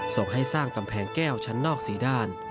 ส่งให้สร้างกำแพงแก้วชั้นนอก๔ด้าน